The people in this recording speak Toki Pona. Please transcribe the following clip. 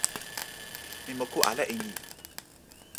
mi moku ala e ni.